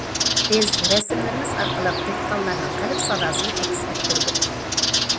بىز رەسىملىرىمىز ئارقىلىق دېھقانلارنىڭ قەلب ساداسىنى ئەكس ئەتتۈردۇق.